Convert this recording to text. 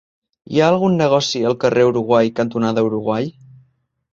Hi ha algun negoci al carrer Uruguai cantonada Uruguai?